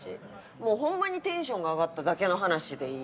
ほんまにテンションが上がっただけの話でいい？